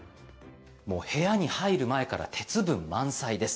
部屋に入る前から鉄分満載です。